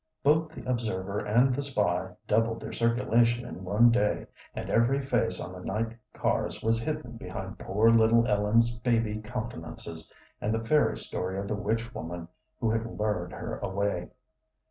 Both The Observer and The Spy doubled their circulation in one day, and every face on the night cars was hidden behind poor little Ellen's baby countenances and the fairy story of the witch woman who had lured her away.